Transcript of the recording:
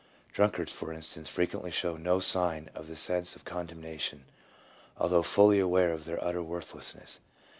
Drunkards, for instance, frequently show no sign of the sense of condemnation, although fully aware of their utter worthlessness.